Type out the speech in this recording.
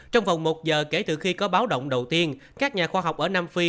trong vòng một giờ kể từ khi có báo động đầu tiên các nhà khoa học ở nam phi